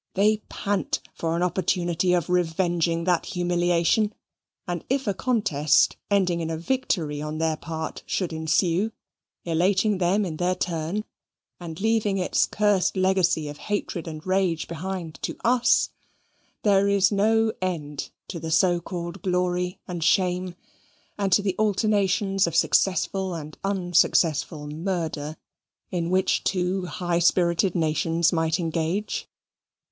They pant for an opportunity of revenging that humiliation; and if a contest, ending in a victory on their part, should ensue, elating them in their turn, and leaving its cursed legacy of hatred and rage behind to us, there is no end to the so called glory and shame, and to the alternations of successful and unsuccessful murder, in which two high spirited nations might engage.